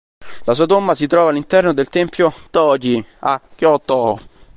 La sua tomba si trova all'interno del tempio Tō-ji, a Kyōto.